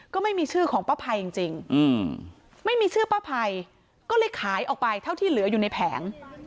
ก็ไม่มีชื่อของป้าภัยจริงไม่มีชื่อป้าภัยก็เลยขายออกไปเท่าที่เหลืออยู่ในแผง